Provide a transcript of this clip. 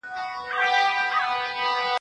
زه کولای سم جواب ورکړم!